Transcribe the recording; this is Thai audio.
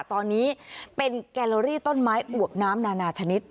ตอนนี้เป็นแกลลอรี่ต้นไม้อวบน้ำนานาชนิด